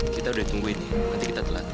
kita udah tungguin nanti kita telat